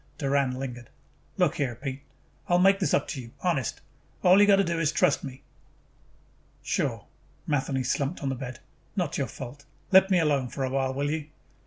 Doran lingered. "Look here, Pete," he said, "I will make this up to you. Honest. All you have got to do is trust me." "Sure." Matheny slumped on the bed. "Not your fault. Let me alone for a while, will you?"